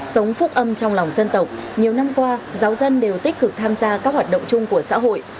sống phúc âm trong lòng dân tộc nhiều năm qua giáo dân đều tích cực tham gia các hoạt động chung của xã hội